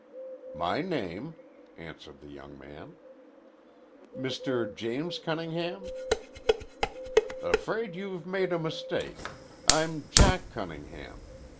"My name," answered the young man. "Mr. James Cunningham?" "Afraid you've made a mistake. I'm Jack Cunningham.